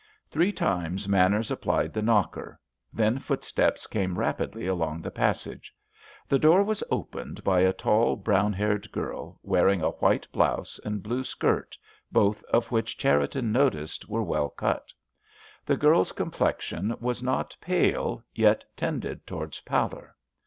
Three times Manners applied the knocker; then footsteps came rapidly along the passage. The door was opened by a tall, brown haired girl, wearing a white blouse and blue skirt, both of which Cherriton noticed were well cut. The girl's complexion was not pale, yet tended towards pallor.